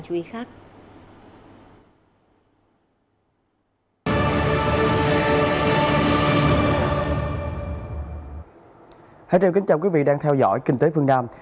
xin chào quý vị đang theo dõi kinh tế phương nam